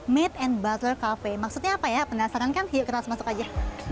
maid and butler kafe maksudnya apa ya penasaran kan yuk kita langsung masuk aja